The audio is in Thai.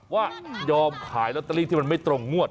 ว่ายอมขายลอตเตอรี่ที่มันไม่ตรงงวด